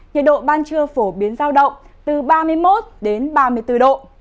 nhiệt độ ban trưa phổ biến giao động từ ba mươi một đến ba mươi bốn độ